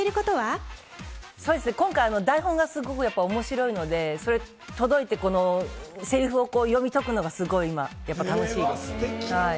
今回、台本がすごく面白いので、届いてセリフを読み解くのがすごく今楽しいです。